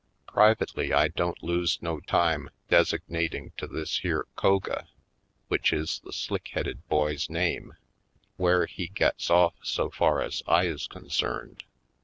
Privately, I don't lose no time designating to this here Koga, which is the slick headed boy's name, where he gets ofif so far as I is concerned.